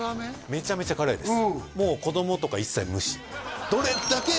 めちゃめちゃ辛いです